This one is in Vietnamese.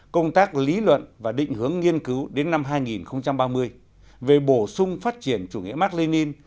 công tác lý luận và định hướng nghiên cứu đến năm hai nghìn ba mươi về bổ sung phát triển chủ nghĩa mạc lê ninh